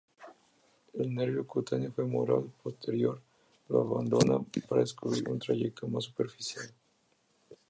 El nervio cutáneo femoral posterior lo abandona para descubrir un trayecto más superficial.